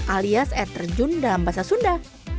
alias air terjun dalam bahasa sunda